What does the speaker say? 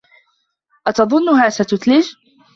أتظنها ستُثلج؟